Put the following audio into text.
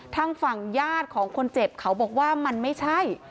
ทางฝั่งญาติของคนเจ็บเขาบอกว่ามันไม่ใช่